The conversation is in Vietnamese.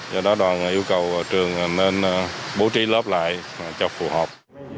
do đó đoàn yêu cầu trường nên bố trí lớp lại cho phù hợp